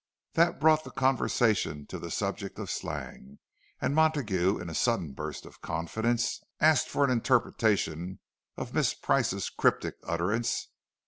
That brought the conversation to the subject of slang; and Montague, in a sudden burst of confidence, asked for an interpretation of Miss Price's cryptic utterance.